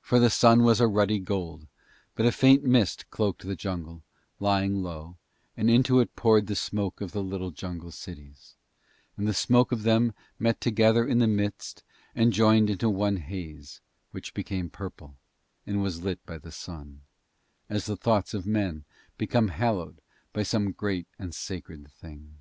For the sun was a ruddy gold, but a faint mist cloaked the jungle, lying low, and into it poured the smoke of the little jungle cities, and the smoke of them met together in the mist and joined into one haze, which became purple, and was lit by the sun, as the thoughts of men become hallowed by some great and sacred thing.